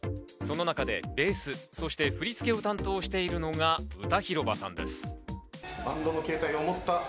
その中でベース、そして振り付けを担当しているのが歌広場さんです。